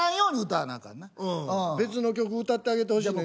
別の曲歌ってあげてほしい。